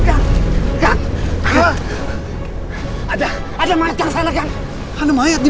aku memang mungkin akan mati